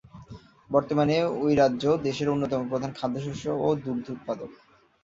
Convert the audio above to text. বর্তমানে এই রাজ্য দেশের অন্যতম প্রধান খাদ্যশস্য ও দুগ্ধ উৎপাদক।